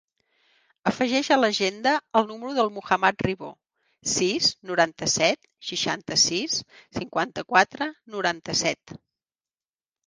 Afegeix a l'agenda el número del Muhammad Ribo: sis, noranta-set, seixanta-sis, cinquanta-quatre, noranta-set.